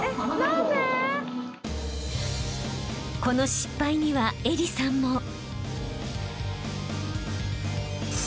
［この失敗には愛理さんも］